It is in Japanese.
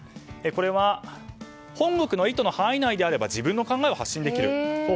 これは本国の意図の範囲内であれば自分の考えを発信できる。